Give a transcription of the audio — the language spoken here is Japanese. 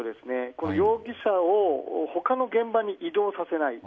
この容疑者を他の現場に移動させない。